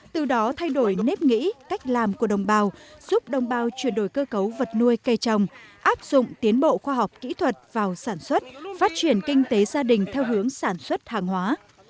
từ đó thay đổi nếp nghĩ cách làm của đồng bào giúp đồng bào chuyển đổi cơ cấu vật nuôi cây trồng áp dụng tiến bộ khoa học kỹ thuật vào sản xuất phát triển kinh tế gia đình theo hướng sản xuất hàng hóa